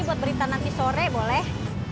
buat berita nanti sore boleh